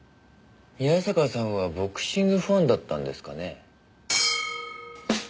宮坂さんはボクシングファンだったんですかね？